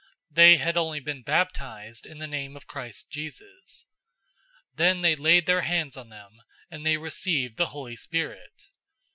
They had only been baptized in the name of Christ Jesus. 008:017 Then they laid their hands on them, and they received the Holy Spirit.